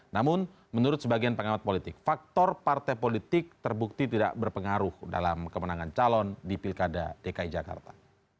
namun menurut sebagian pengamat politik faktor partai politik terbukti tidak berpengaruh dalam kemenangan calon di pilkada dki jakarta